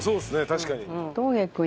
確かに。